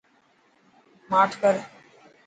ماٺ ڪر.